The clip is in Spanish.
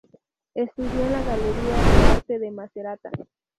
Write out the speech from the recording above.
Estudió en la galería de arte de Macerata.